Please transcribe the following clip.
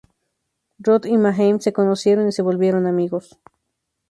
Roth y Manheim se conocieron y se volvieron amigos.